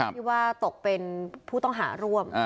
ที่ว่าตกเป็นผู้ต้องหาร่วม